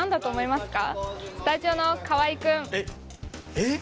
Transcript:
えっ！？